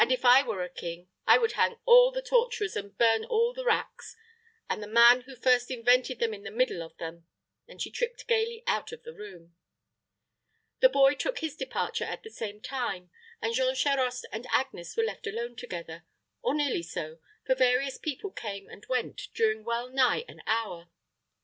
If I were a king, I would hang all the torturers and burn all the racks, with the man who first invented them in the middle of them." And she tripped gayly out of the room. The boy took his departure at the same time; and Jean Charost and Agnes were left alone together, or nearly so for various people came and went during well nigh an hour.